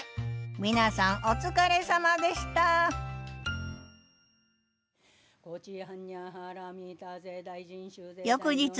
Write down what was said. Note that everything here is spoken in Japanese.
皆さんお疲れさまでした翌日。